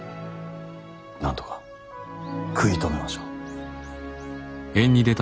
なんとか食い止めましょう。